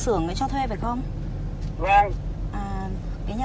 vì bọn em ngại thuê đất nông nghiệp lắm